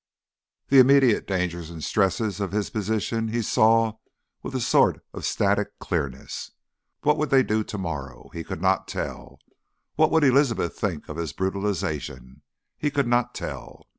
The immediate dangers and stresses of his position he saw with a sort of static clearness. What would they do to morrow? He could not tell. What would Elizabeth think of his brutalisation? He could not tell.